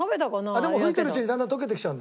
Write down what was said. でも吹いてるうちにだんだん溶けてきちゃうんだ。